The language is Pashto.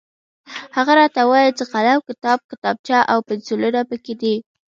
هغه راته وویل چې قلم، کتاب، کتابچه او پنسلونه پکې دي.